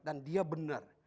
dan dia benar